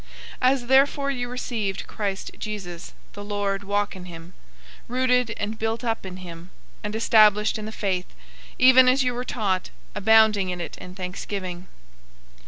002:006 As therefore you received Christ Jesus, the Lord, walk in him, 002:007 rooted and built up in him, and established in the faith, even as you were taught, abounding in it in thanksgiving.